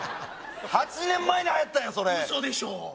８年前にはやったよそれ嘘でしょう？